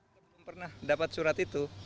saya belum pernah dapat surat itu